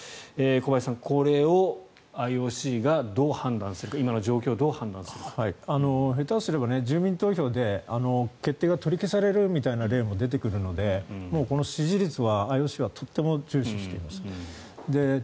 小林さんこれをＩＯＣがどう判断するか下手すれば住民投票で決定が取り消されるみたいな例も出てくるのでこの支持率はＩＯＣはとても重視しています。